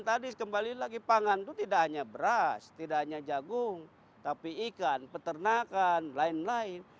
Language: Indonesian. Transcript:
tadi kembali lagi pangan itu tidak hanya beras tidak hanya jagung tapi ikan peternakan lain lain